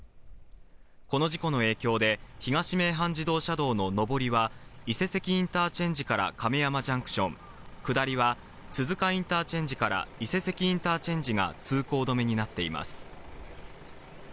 この事故の影響で東名阪自動車道の上りは、伊勢関インターチェンジから亀山ジャンクション、下りは、鈴鹿インターチェンジから伊勢関インターチェンジが通行止めになっています。